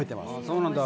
そうなんだ